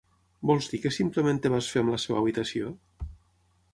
Vols dir que simplement et vas fer amb la seva habitació?